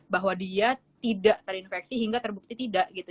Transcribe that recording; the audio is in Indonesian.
bahwa dia tidak terinfeksi hingga terbukti tidak gitu